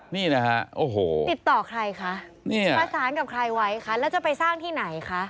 นี่พูดต่อใครคะพัสธารกับใครไว้คะแล้วจะไปสร้างที่ไหนคะ